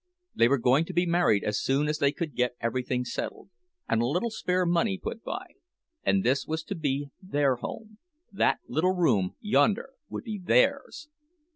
They were going to be married as soon as they could get everything settled, and a little spare money put by; and this was to be their home—that little room yonder would be theirs!